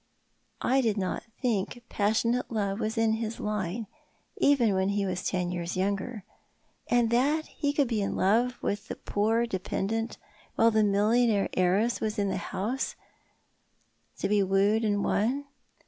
I did not think passionate love was in his line, even when he was ten years younger. And that he could be in love with the poor dei:)endent while the millionaire heiress was in the house, to be wooed and won.